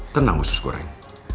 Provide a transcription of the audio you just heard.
tenang gusus goreng